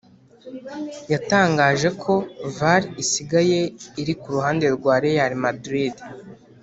yatangaje ko var isigaye iri ku ruhande rwa real madrid